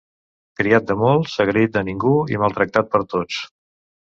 Criat de molts, agraït de ningú i maltractat per tots.